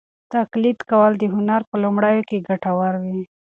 تقلید کول د هنر په لومړیو کې ګټور وي.